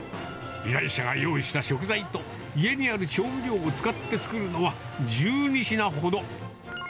依頼者が用意した食材と、家にある調味料を使って作るのは、１２品ほど。